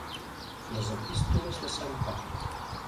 Les Epístoles de sant Pau.